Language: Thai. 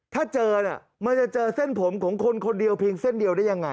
ถ้าเจอเนี่ยมันจะเจอเส้นผมของคนคนเดียวเพียงเส้นเดียวได้ยังไง